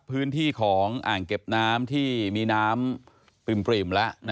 พื้นที่ของอ่างเก็บน้ำที่มีน้ำปริ่มแล้ว